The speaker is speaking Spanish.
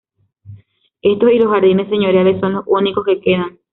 Estos y los jardines señoriales son los únicos que quedan.